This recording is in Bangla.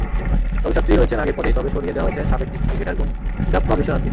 রবিশাস্ত্রী রয়েছেন আগের পদেই, তবে সরিয়ে দেওয়া হয়েছে সাবেক ক্রিকেটার গুন্ডাপ্পা বিশ্বনাথকে।